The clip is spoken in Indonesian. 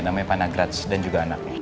namanya pana grats dan juga anak